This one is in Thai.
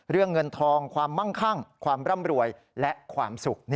เงินทองความมั่งคั่งความร่ำรวยและความสุข